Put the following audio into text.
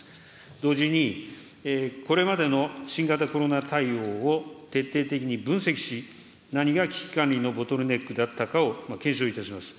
同時に、これまでの新型コロナ対応を徹底的に分析し、何が危機管理のボトルネックだったかを検証いたします。